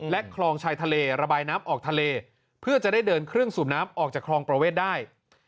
คลองชายทะเลระบายน้ำออกทะเลเพื่อจะได้เดินเครื่องสูบน้ำออกจากคลองประเวทได้